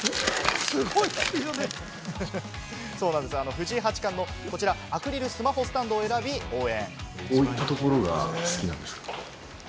藤井八冠の、こちらアクリルスマホスタンドを選び応援。